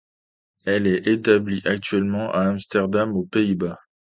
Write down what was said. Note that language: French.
Elle est établie actuellement à Amsterdam, aux Pays-Bas.